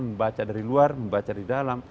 membaca dari luar membaca di dalam